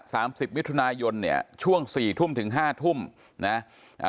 สิบมิถุนายนเนี่ยช่วงสี่ทุ่มถึงห้าทุ่มนะอ่า